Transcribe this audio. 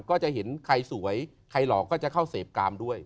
ก็จะเห็นใครสวยใครหลอกก็จะเข้าเสพกามด้วย